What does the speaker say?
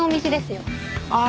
ああ！